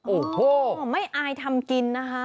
โอ้โหไม่อายทำกินนะคะ